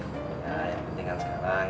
nah yang penting kan sekarang